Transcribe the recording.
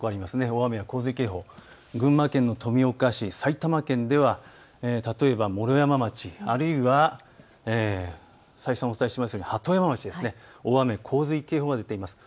大雨や洪水警報、群馬県の富岡市、埼玉県では例えば毛呂山町、あるいは再三お伝えしたように鳩山町で大雨洪水警報が出ています。